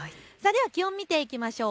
気温を見ていきましょう。